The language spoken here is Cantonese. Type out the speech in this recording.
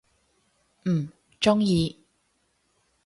嗯，中意！